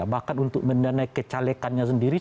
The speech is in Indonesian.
bahkan untuk mendanai kecalekannya sendiri